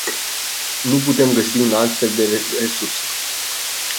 Nu putem găsi un alt fel de resurse.